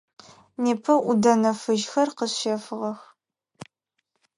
Непэ ӏудэнэ фыжьхэр къэсщэфыгъэх.